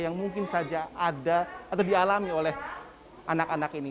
yang mungkin saja ada atau dialami oleh anak anak ini